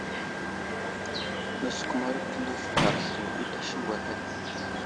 Nəsəkumərayo kəlif ghar slu ənta siŋgu ahe.